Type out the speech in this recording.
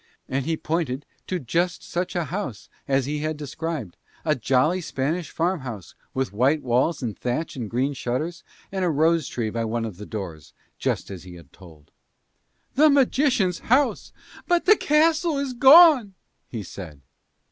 And he pointed to just such a house as he had described, a jolly Spanish farmhouse with white walls and thatch and green shutters, and a rose tree by one of the doors just as he had told. "The magician's house. But the castle is gone," he said.